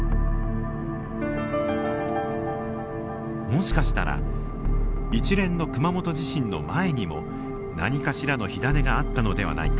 もしかしたら一連の熊本地震の前にもなにかしらの火種があったのではないか。